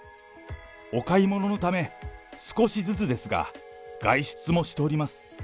お買い物のため、少しずつですが、外出もしております。